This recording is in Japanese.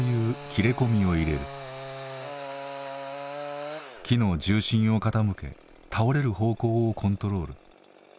木の重心を傾け倒れる方向をコントロール。